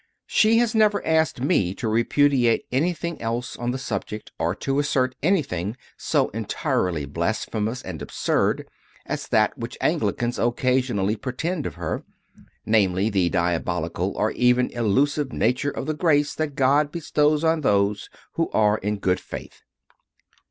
She has never asked me to repudiate anything else on the subject or to assert anything so entirely blasphe mous and absurd as that which Anglicans occasion ally pretend of her namely, the diabolical or even illusive nature of the grace that God bestows on those who are in good faith.